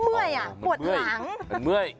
เหมือยปวดหลัง